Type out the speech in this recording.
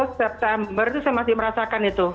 tapi di september itu saya masih merasakan itu